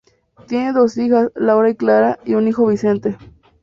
Tiene dos hijas, Laura y Clara, y un hijo, Vicente.